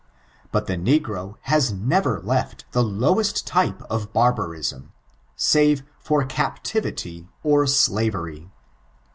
But the negro haa never left the lowest type of barbarism* save for eaptimty or slavery.